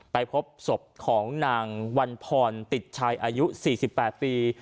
ไปพบศพของนางวันพรติดชัยอายุ๔๘ปี